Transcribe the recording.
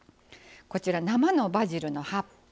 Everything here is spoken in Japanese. こちら生のバジルの葉っぱ。